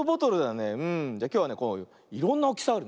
きょうはねこういろんなおおきさあるね。